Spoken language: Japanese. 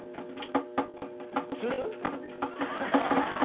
する？